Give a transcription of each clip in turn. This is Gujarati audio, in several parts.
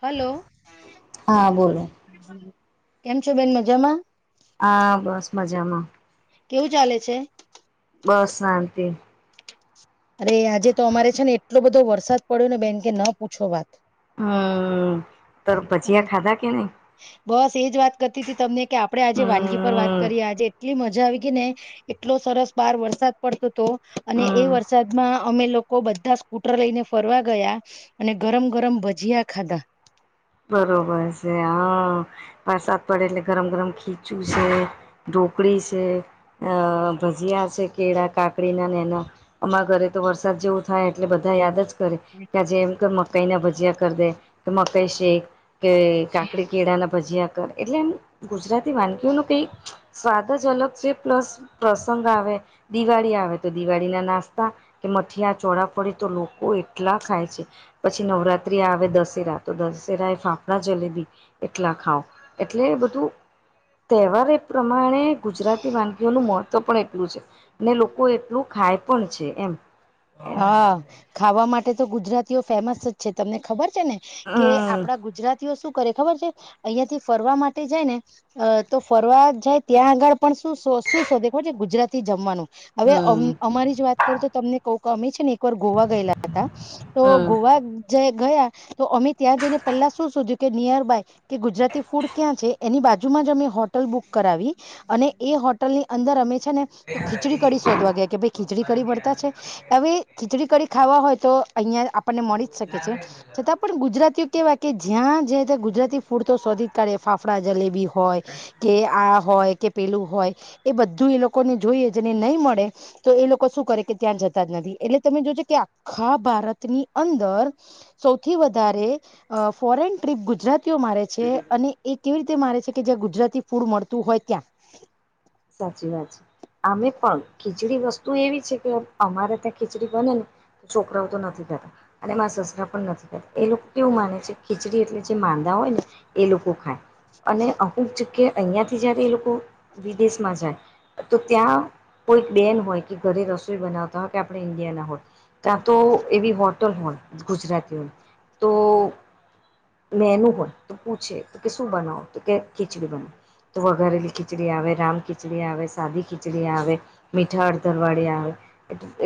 હલો હા બોલો કેમ છો બેન મજામાં હા બસ મજામાં કેવું ચાલે છે બસ શાંતિ અરે આજે તો અમારે છે ને એટલો બધો વરસાદ પડ્યો ને બેન કે ન પૂછો વાત હમ તો અને ભજીયા ખાધા કે નહી બસ એજ વાત કરતી હતી તમને કે આપડે આજે વાનગી પર વાત હમ કરીએ આજે એટલી મજા આવી ગઈ ને એટલો સરસ બાર વરસાદ પડતો હતો અને એ હમ. વરસાદમાં અમે લોકો બધા કૂટર લઈને ફરવા ગયા અને ગરમ ગરમ ભજીયા ખાધા. બરોબર છે, હ વરસાદ પડે એટલે ગરમ ગરમ ખીચું છે, ઢોકળી છે, હ ભજીયા છે, કેળા કાકડીના ને એના અમાર ઘરે તો વરસાદ જેવું થાય એટલે બધા યાદ જ કરે. હમ્મ જેમ કે મકાઈના ભજીયા કરી દે કે મકાઈ શેક કે કાકડી કેળાના ભજીયા એટલે એમ ગુજરાતી વાનગીઓ ન કઈક સ્વાદ જ અલગ છે, પ્લસ પ્રસંગ આવે, દિવાળી આવે તો દિવાળી ના નાસ્તા કે મઠિયા ચોડાફડી તો લોકો એટલા ખાય છે. પછી નવરાત્રી આવે, દસેરા તો દસ ય ફાફડા જલેબી એટલા ખાાવ એટલે બધું તહેવાર પ્રમાણે ગુજરાતી વાનગીઓનું મહત્વ પણ એટલું છે ને લોકો એટલું ખાય પણ છે એમ હા ખાવા માટે તો ગુજરાતીઓ ફેમસ જ છે તમને ખબર છે ને કે હમ આપડા ગુજરાતીઓ શું કરે ખબર છે અહિયાં થી ફરવા માટે જાય ને અ તો ફરવા જાય ત્યાં આગળ પણ શું શું શો દેખો છે ગુજરાતી જમવાનું હવે હમ અમારી જ વાત કરું તો તમને કવ અમે છે ને એક વાર ગોવા ગયેલા હતા તો હમ ગોવા જે ગયા તો અમે ત્યાં જઈને પહેલા શું શોધ્યું કે નિયર બાય કે ગુજરાતી ફૂડ ક્યાં છે એની બાજુમાં જ અમે હોટલ બુક કરાવી. અને એ હોટલ ની અંદર અમે છે ને તો ખીચડી કઢી શોધવા ગયા કે ભાઈ ખીચડી કઢી મળતા છે. હવે ખીચડી કઢી ખાવા હોય તો અહિયાં આપણને મળી જ શકે છે છતાં પણ ગુજરાતીઓ કેવા કે જ્યાં જે ત્યાં ગુજરાતી ફૂડ તો શોધી કાઢે ફાફડા, જલેબી હોય હોય કે આ હોય કે પેલું હોય એ બધું એ લોકોને જોઈએ જેને નહીં મળે તો એ લોકો શું કરે કે ત્યાં જતા જ નથી એટલે તમે જો છો કે આખા ભારત ની અંદર સૌથી વધારે ફોરેન ટ્રીપ ગુજરાત મારે છે અને એ કેવી રીતે મારે છે કે જ્યાં ગુજરાતી ફૂડ મળતું હોય ત્યાં સાચી વાત છે. અમે પણ ખીચડી વસ્તુ એવી છે કે અમારે ત્યાં ખીચડી બને ને છોકરાઓ તો નથી થતા અને એમાં સસરા પણ નથી થતા એ લોકો કેવું માને છે ખીચડી એટલે જે માંદા હોય ને એ લોકો ખાય અને અમુક જ કે અહિયાં થી જયારે એ લોકો દસમાંજા તો ત્યાં કોઈ બેન હોય કે ઘરે રસોઈ બનાવતા હોય કે આપણે ઈન્ડિયાના હોય ત્યાં તો એવી હોટલ હોય ગુજરાતીઓની તો મેન હોય તો પૂછે તો કે શું બનાવો તો કે ખીચડી બનાવ વઘારેલી ખીચડી આવે, રામ ખીચડી આવે, સાદી ખીચડી આવે મીઠા હડદરવાળી આવે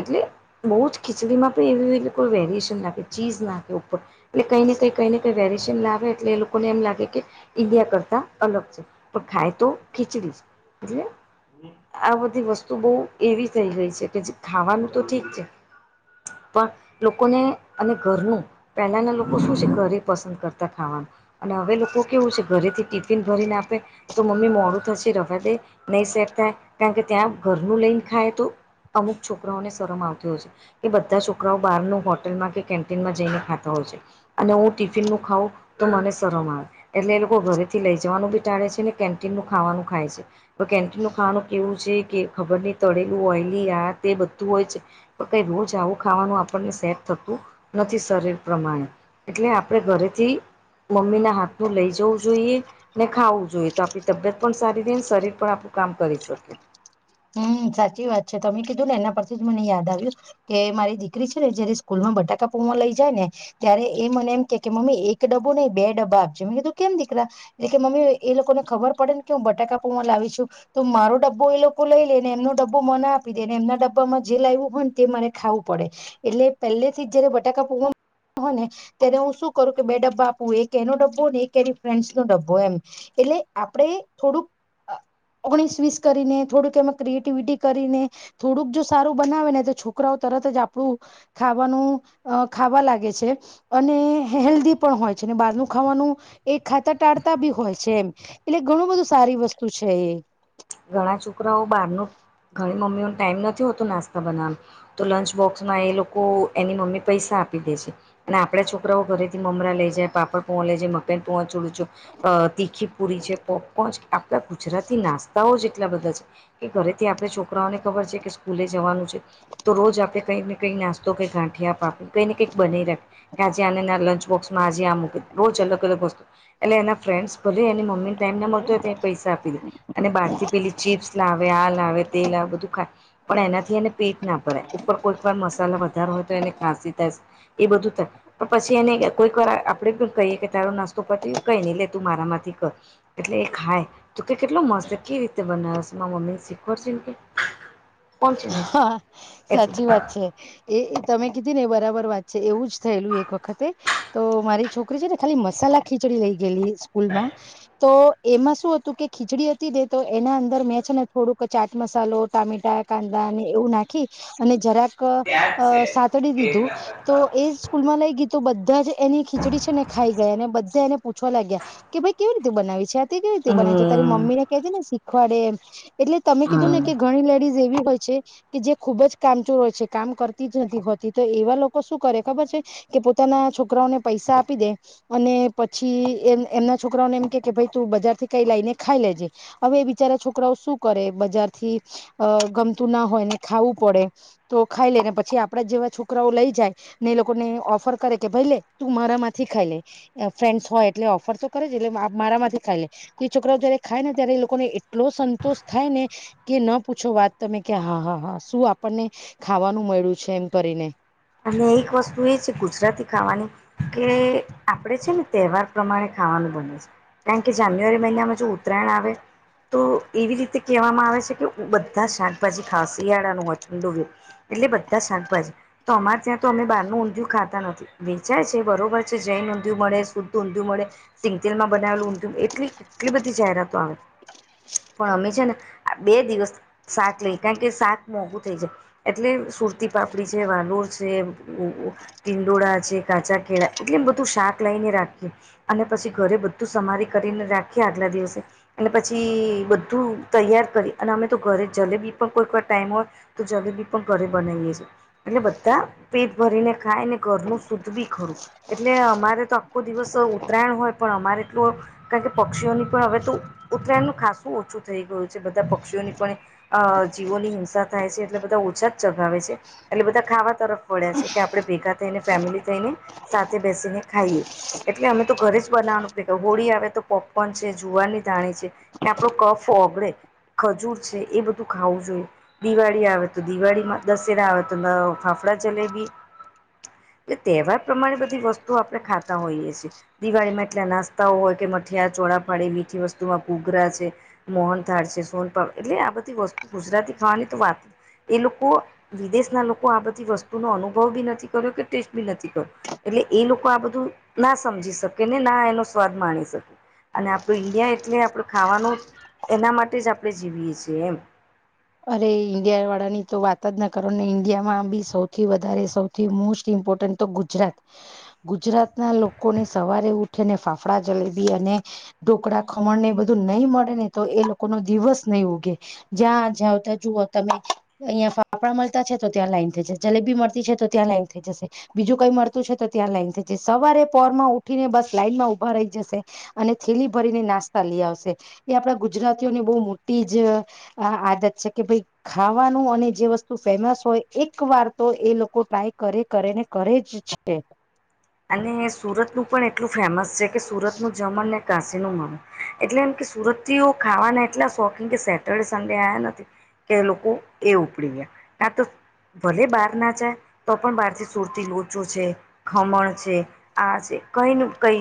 એટલે બહુ જ ખીચડીમાં પણ એવી કોઈ વેરએશન નાખે ચીજ નાખે ઉપર એટ કઈ કઈ કઈને કઈ વેરેએશન લાવે એ લોકો લોકોને એમ લાગે કે ઈન્ડિયા કરતા અલગ છે પણ ખાય તો ખીચડી જ [unintelligible] [inaudible] આ બધી વસ્તુ બહ એવી થઇ ગઈ છે કે જે ખાવાનું તો ઠીક છે પણ લોકોને અને ઘરનું પહેલાના લોકો શું છે ઘરે પસંદ કરતા ખાવાનું અને હવે લોકો કેવું છે ઘરેથી ટિફિન ભરીને આપે તો મમ્મી મોડું થશે રવા દે નહીં સેર થાય કારણ કે ત્યાં ઘરનું લઈને ખાય તો અમુક છોકરાઓને શરમ આવતી હોય છે એ બધા છોકરાઓ બહારનું હોટલમાં કેન્ટીનમાં જઈને ખાતા હોય છે અને હું ટિફિનનું ખાઉં તો મને શમ આવે એટલે એ લોકો ઘરે થી લઈ જવાનું બી ટાળે છે ને કેન્ટીન નું ખાવાનું ખાય છે કેન્ટીનનું ખાવાનું કેવું છે કે ખબર નહ તળેલું ઓઇલી આ તે બધું હોય છે કઈ રોજ આવું ખાવાનું આપણને સેટ થતું નથી શરીર પ્રમાણે એટલે આપડે ઘરેથી મમ્મી ના હાથનું લઈ જવું જોઈએ ને ખાવું જોઈએ તો આપણી તબિયત પણ સારી રહે ને શરીર પણ આપણું કામ કરી શકે હમ સાચી વાત છે તમે કીધું ને એના પરથી જ મને યાદ આવ્યું કે મારી દીકરી છે ને જય્યારે સ્કૂલ માં બટાકા પૂવા લઈ જાય ને ત્યારે એ મને એમ કે કે મમ્મી એક ડબ્બો નહિ બે ડબ્બા આપજે મેં કીધું કેમ દીકરા એટલે કે મમ્મી એ લોકોને ખબર પડે ને કે હું બટાકા પવા લાવી છું તો મારો ડબ્બો એ લોકો ું લઈ લઈને એમનો ડબ્બો મના આપી દે ને એમના ડબ્બામાં જે લાવવું હોય તે મારે ખાવું પડે એટલે પહેલે થી જયારે બટાકા પ હો ને ત્યારે હું શું કરું કે બે ડબ્બા આપું એક એનો ડબ્બો ને એક એની ફ્રેન્્સ નો ડબ્બો એમ એટલે આપડે થોડુંક ઓગણીસ વીસ કરીને થોડુંક મે ક્રિએટિવિટી કરીને થોડુંક જો સારું બનાવે ને તો છોકરાઓ તરત જ આપણું ખાવાનું અ ખાવા લાગે છે અને હેલ્ધી પણ હોય છે અને બહારનું ખાવાનું એક ખાત ટાળતા બી હોય છે એમ એટલે ઘણું બધું સારી વસ્તુ છે એ ઘણા છોકરાઓ બહાર ન ઘણી મમ્મીઓ ન ટાઈમ નથી હોતો નાસ્તો બના તો લંચ બોક્સમાં એ લોકો એની મમ્મી પૈસા આપી દે છે અને આપડા છોકરાઓ ઘરેથી મમરા લઈ જાય પાપડ પોહં લઈ જાય મન પોહંચડું તીખી પુરી છે કોપકો આપણા ગુજરાતી નાસ્ જ એટલા બધા છે કે ઘરેથી આપણે છોકરાઓને ખબર છે કે સ્કૂલે જવાનું છે તો રોજ આપણે કંઈક ને કંઈ નાસ્તા કઈ ગાંઠિયા પા આપી કઈ ને કંઈ બનાવી રાખી કે્યાજે અને ના લંચ બોક્સમાં આજે આ મૂકી રોજ અલગ અલગ વસ્તુ એટલે એના ફ્રેન્ડ્સ બોલી એની મમ્મીને ટાઈમ મળ હોય તો એ પૈસા આપી દે અને બહાર થી પેલી ચીપ્સ લાવે આ લાવે તેલ આવેે બધું ખાય પણ એનાથી એને પેટ ના ભરાય ઉપર કોઈ પણ મસાલા વધારો હોય તો એને ખાંસી થાય એ બધું ત પણ પછી એને કોઈક વાર આપડે કહીએ કે તારો નાસ્તો પછ કઈ નહી લેતું મારામાંથી ક એટલે એ ખાય તો કે કેટલો મસ્ત કેવી રીતે બનાવ છે મમ્મીને શીખવાડશે એમ કે કોણ છે ને હા એટલે સાચી વાત છે એ તમે કીધી ને બરાબર વાત છે એવું જ થયેલું એક વખતે તો મારી છોકરી છે ને ખાલી મસાલા ખીચડી લઈ ગયેલી સ્કૂલ માં તો એમાં શું હતું કે ખીચડી હતી દે તો એના અંદર મેં છે ને થોડુંક ચાટ મસાલો ટામેટા કા એવું નાખી અને જરાક સાતડી દીધું તો એજ સ્કૂલ માં લઈ ગી તો બધા જ એની ખીચડી છે ને ખાઈ ગયા અને બધા એને પૂછવા લાગ્યા કે ભાઈ કેવી રીતે બનાવી છે કેવી રીતે બનાય છે તારી હમ મમ્મી ને કેધ ને શીખવાડે એટલે તમે કીધું ને હમ કે ઘણી લેડીઝ એવી હોય છે કે જે ખુબ જ કામચોર હોય છે કામ કરતી જ નથી હોતી તો એવા લોકો શું કરે ખબર છે કે પોતાના છોકરાઓને પૈસા આપી દે અને પછી એમ એમના છોકરાઓને એમ કે કે ભાઈ તું બજાર થી કઈ લઈને ખાઈ લેજે હવે એ બિચારા છોકરાઓ શું કરે બજાર થી અ ગમતું ના હોય ને ખાવું પડે તો ખાઈ લેને પછી આપડે જેવા છોકરાઓ લઈ જાય ને લોકો ને ઓફર કરે કે ભાઈ લે તું મારા માંથી ખાઈ લે. ફ્રેન્ડસ હોય એટલે ઓફર તો કરે જ એટલે મારા માંથી ખાઈ લેય એ છોકરાઓ જયારે ખાય ને ત્યારે એ લોકોને એટલો સંતોષ થાય ને કે ન પૂછો વાત તમે કે હા હા હા શું આપણને ખાવાનું મળ્યું છે, એમ કરીને અને એક વસ્તુ એ છે ગુજરાતી ખાવાની કેએ આપણેે છે ને તહેવાર પ્રમાણે ખાવાનું બને છે. કારણ કે જાન્યુઆરી મહિનામાં જો ઉત્તરાયણ આવે તો એવી રીતે કહેવામાં આવે છે, કે બધા શાકભાજી ખાંસ શિયાળાનું હોથ થન્ડુ હોય એટલે બધા શાકભાજી તો અમારે ત્યાં તો અમે બારનું ઊંધયુ ખાતા નથી. વેચાય છે. બરોબર છે. જૈન ઊંધયુ મળે, શુદકુ ઊંધ્યુ મળે, સિંગતેલ માં બનાવેલું ઊંધિયુ એટલી કેટલી બધી જાહેરાતો આવે, પણ અમે છે ને આ બે દિવસ શાક લઈ કારણ કે શાક મોઘું થઈ જાય, એટલે સુરતી પાપડી છે, વાલ [unintelligible] તિંડોળા છે, કાચા કેળા એટલે એમ બધું શાક લઈને રાખીએ. અને પછી ઘરે બધું સમારી કરીને રાખીએ આગલા દિવસે અને પછી બધું તૈયાર કરી અને અમે તો ઘરે જલેબી પણ કોઈ કોર ટાઈમ હોય તો જલેબી પણ ઘરે બનાવીએેછીએ. એટલે બધા પેટ ભરીને ખાય ને ઘરનું શૂદ્ધ બી ખરું. એટલે અમારે તો આખો દિવસ ઉત્તરાયણ હોય પણ અમારે એટલું કારણ કે પક્ષીઓની પણ હવે તો ઉત્તરાયણનું ખાાસું ઓછું થઈ ગયું છે. બધા પક્ષીઓની પણ અ જીવોની હિંસા થાય છે, એટલે બધા ઓછા જ ચગાવે છે. એટલે બધા ખાવા તરફ વળ્યા છે, કે આપડે ભેગા થઈને ફેમિલી થઈને સાથે બેસીને ખાઈએ. એટલે અમે તો ઘરે જ બનાવાનું પ્રે [unintelligible] હોળી આવે તો પોપકોર્ન છે, જુવારની ધાણી છે. કે આપણો કફ ઓગડે. ખજૂર છે. એ બધું ખાવું જોઈએ. દિવાળી આવે તો દિવાળીમાં દશેરા આવે ત લાવ ફાફડા-જલેબી [unintelligible] તહેવાર પ્રમાણે બધી વસ્તુ આપણે ખાતા હોઈએ છે. દિવાળીમાં એટલા નાસ્તાઓ હોય કે મઠિયા, ચોળા ફડી, મીઠી વસ્તુમાં ઘૂઘરા છે. મોહનથાળ છે. સોનપા એટલે આ બધી વસ્તુ ગુજરાતી ખાવાની તો વાત એ લોકો વિદેશના લોકો આ બધી વસ્તુનો અનુભવ બી નથી કર્યો કે ટેસ્ટ બી નથી કર્યો. એટલે એ લોકો આ બધું ના સમજી શકે, ને ના એનો સ્વાદ માણી શકે. અને આપણું ઈન્ડિયા એટલે આપણું ખાવાનું એના માટે જ આપણે જીવીએ છેએમ. અરે ઈન્ડિયા વાળા ની તો વાત જ ના કરો ને ઈન્ડિયા માં બી સૌથી વધારે સૌ થી મોસ્ટ ઇમ્પોર્ટન્ટ તો ગુજરાત. ગુજરાત ના લોકોને સવારે ઉઠીને ફાફડા જલેબી અને ઢોકળા ખમણ ને એ બધું નહીં મળે ને તો એ લોકો નો દિવસ નહી ઉગે. જ્યાં જાઓ તો જુઓ તમે અહીયાં ફાફડા મલતા છે, તો ત્યાં લાઈન થઈ જશે. જલેબી મળતી છે, તો ત્યાં લાઈન થઈ જશે. બીજું કઈ મળતું છે, તો ત્યાં લાઈન થ જાય. સવારે પોર માં ઉઠીને બસ લાઈનમાં ઉભા રહી જશે. અને થેલી ભરીને નાસ્તા લઈ આવશે એ આપડા ગુજરાતીઓની બહુ મોટી જ અ આદત છે કે ભઈ ખાવાનું અને જે વસ્તુ ફેમસ હોય એક વાર તો એ લોકો ટ્રાય કરે કરે ને કરે જ છે. અને સુરતનું પણ એટલું ફેમસ છે, કે સુરતનું જમણને કાશી નું માનું એટલે એમ કે સુરત થી ખાવાના એટલા શોખીન કે સેટરડે સન્ડે આયા નથી. કે લોકો એ ઉપડી ગયા ના તો ભલે બહાર ના જાય તો પણ બહાર થી સુરતી લોચો છે, ખમણ છે. આ છે કઈ ન કઈ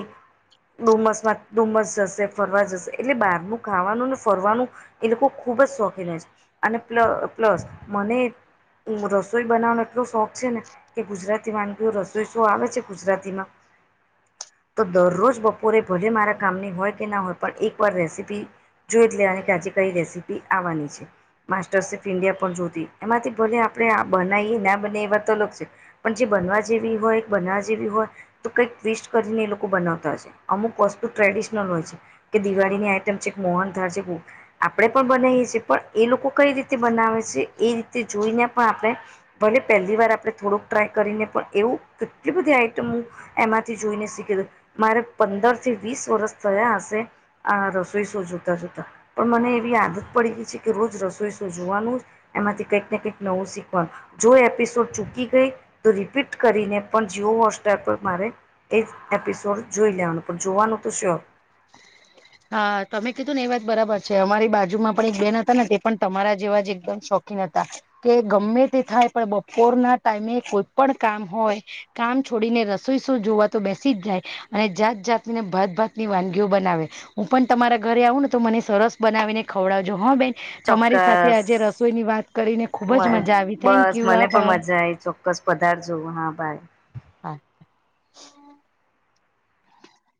ડુમસમાં ડુમ્મસ જશે, ફરવા જશે એટલે બહારનું ખાવાનું ને ફરવાનું એ લોકો ખુબ જ શોખીન હોય છે, અને પ્લ પ્લસ મને [unintelligible] રસોઈ બનાવાનો એટલો શોખ છે ને કે ગુજરાતી વાનગીઓ રસોઈ શો આવે છે ગુજરાતીમાં તો દરરોજ બપોરે ભલે મારા કામની હોય કે ના હોય પણ એકવાર રેસીપી જોઈ એ લેવાની કે આજે કઈ રેસીપી આવવાની છે માસ્ટર્સ ઓફ ઇન્ડિયા પણ જોતી એમાંથી ભલે આપડણે આ બનાવીએ ના બના એવાત અલગ છે પણ જે બનવા જેવી હોય બનવા જે હોય તો કઈક ટ્વિસ્ટ કરીને એ લોકો બનાવતાય અમુક વસ્તુ ટ્રેડિશનલ હોય છે કે દિવાળીની આઈટમ છે એક મોહન ધાર છે આપણે પણ બનાવીએ છીએ પણ એ લોકો કઈ રીતે બનાવે છે એ રીતે જોઈને પણ આપણે ભલે પહેલી વાર આપણે થોડોક ટ્રાય કરીને પણ એવું કેટલી બધી આઈટમો એમાંથી જોઈને શીખીલું મારે પંદર થી વીસ વર્ષ થયા હશે આ રસોઈ શો જોતા જોતા પણ મને એવી આદત પડી ગઈ છે કે રોજ રસોઈ જોઈશું જોવાનું એમાંથી કંઈક ને કંઈક નવું શીખવાનું જો એપિસોડ ચૂકી ગઈ તો રિપીટ કરીને પણ જીઓ હોટસ્ટેર પર મારે એ એપિસોડ જોઈ લેવાનું પણ જોવાનું તો શો હ હા તમે કીધું ને એ વાત બરાબર છે અમારી બાજુમાં પણ એક બેન હતા ને તે પણ તમારા જેવા જ એકદમ શોખ નતા કે ગમે તે થાય પણ બપોરના ટાઈમે કોઈ પણ કામ હોય કામ છોડીને રસોઈસો જોવા તો બેસી જ જાય અને જાત જાતને ભાત ભાત વાનગીઓ બનાવે હું પણ તમારા ઘરે આવું ને તો મને સરસ બનાવીને ખવડાવજો હા બેન તમારી સાથે ચોક્કસ આજે રસોઈની વાત કરીને ખુબ જ મજા આવી થેન્ક યુ વા ભ ાય ચો ક્કસ પદારથ જોવું હા ભાઈ હચ